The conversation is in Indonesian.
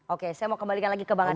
oke saya mau kembalikan lagi ke bang adi